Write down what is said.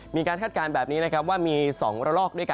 คาดการณ์แบบนี้นะครับว่ามี๒ระลอกด้วยกัน